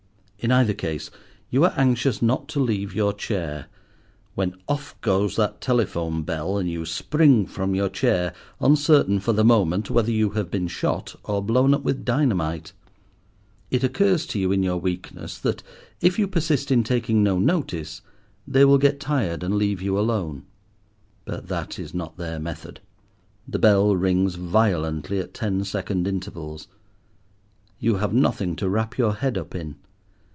In either case you are anxious not to leave your chair, when off goes that telephone bell and you spring from your chair, uncertain, for the moment, whether you have been shot, or blown up with dynamite. It occurs to you in your weakness that if you persist in taking no notice, they will get tired, and leave you alone. But that is not their method. The bell rings violently at ten second intervals. You have nothing to wrap your head up in.